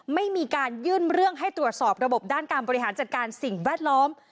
ไม่มีการยื่นเรื่องให้ตรวจสอบระบบด้านการบริหารจัดการสิ่งแวดล้อม